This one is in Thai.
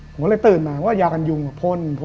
ผมก็เลยเติ่นงานว่ายานยุงพ่นเพียงทันยุง